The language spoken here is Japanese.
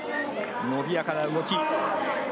伸びやかな動き。